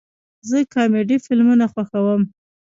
زه کامیډي فلمونه خوښوم